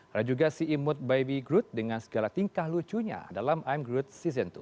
ada juga si imut baby groot dengan segala tingkah lucunya dalam i'm groot season dua